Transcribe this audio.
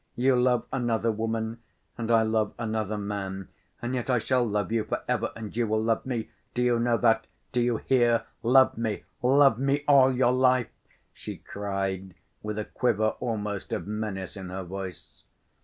"You love another woman, and I love another man, and yet I shall love you for ever, and you will love me; do you know that? Do you hear? Love me, love me all your life!" she cried, with a quiver almost of menace in her voice.